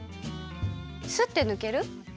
すってぬける？